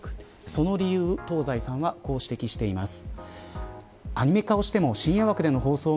その理由を東西さんはこう指摘しています。